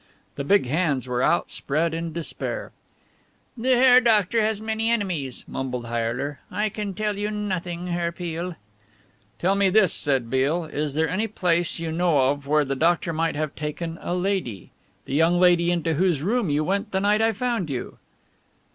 The big hands were outspread in despair. "The Herr Doctor has many enemies," mumbled Heyler. "I can tell you nothing, Herr Peale." "Tell me this," said Beale: "is there any place you know of where the doctor may have taken a lady the young lady into whose room you went the night I found you?"